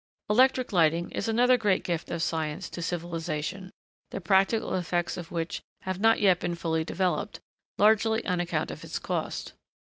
Electric lighting is another great gift of science to civilisation, the practical effects of which have not yet been fully developed, largely on account of its cost.